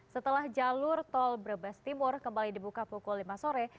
setelah jalur tol brebes timur kembali dibuka pukul lima sore